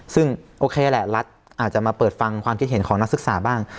ซึ่งโอเคแหละรัฐอาจจะมาเปิดฟังความคิดเห็นของนักศึกษาบ้าง